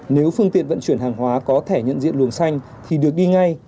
nếu phương tiện vận chuyển hàng hóa có thẻ nhận diện luồng xanh thì được đi ngay